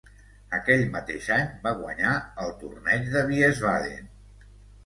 Aquell mateix any, va guanyar el Torneig de Wiesbaden.